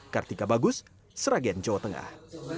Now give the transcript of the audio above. kartika bagus sragen jawa tengah